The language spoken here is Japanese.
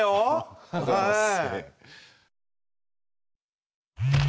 ありがとうございます。